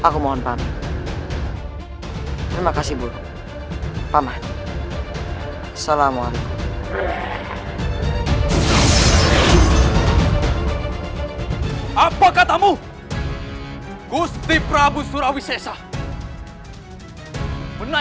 kembali ke penyelamatan